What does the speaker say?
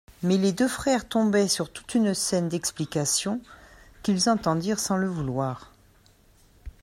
Mais les deux frères tombaient sur toute une scène d'explication, qu'ils entendirent sans le vouloir.